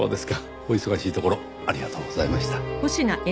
お忙しいところありがとうございました。